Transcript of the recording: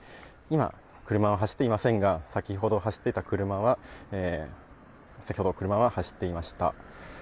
今、車は走っていませんが、先ほど走っていた車は、先ほど車は走っていました。